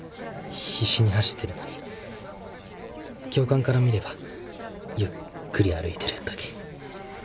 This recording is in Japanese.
必死に走ってるのに教官から見ればゆっくり歩いてるだけ。